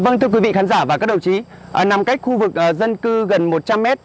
vâng thưa quý vị khán giả và các đồng chí nằm cách khu vực dân cư gần một trăm linh m